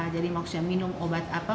jadi mau minum obat apa